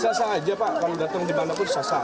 saya sah saja pak kalau datang di bapak ibu saya sah